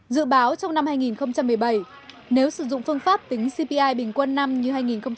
dự báo trong năm hai nghìn một mươi bảy nếu sử dụng phương pháp tính cpi bình quân năm như hai nghìn một mươi tám